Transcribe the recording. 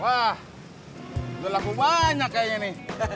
wah udah laku banyak kayaknya nih